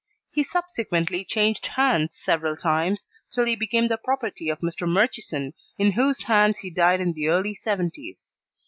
He subsequently changed hands several times, till he became the property of Mr. Murchison, in whose hands he died in the early 'seventies.